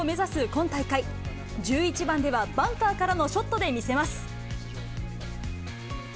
今大会、１１番ではバンカーからのショットで見せます。